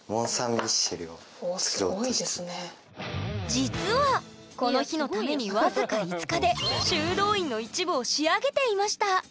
実はこの日のために僅か５日で修道院の一部を仕上げていました！